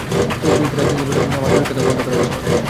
তবে বিয়েতে রাজি হইনি বলে আমার পরীক্ষা দেওয়া বন্ধ করা হচ্ছিল।